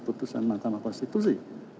putusan mahkamah konstitusi